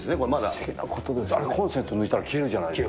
不思議なことですよ、コンセント抜いたら消えるじゃないですか。